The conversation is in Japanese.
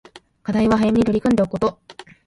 課題は早めに取り組んでおくこと